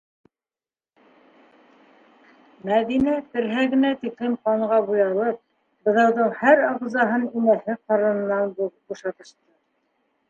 Мәҙинә, терһәгенә тиклем ҡанға буялып, быҙауҙың һәр ағзаһын инәһе ҡарынынан бушатышты.